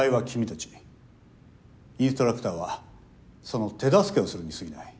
インストラクターはその手助けをするに過ぎない。